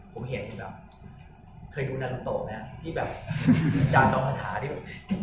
ผมเห็นแบบเคยดูนรัตโตนี่ที่จาจรภาษาด้วย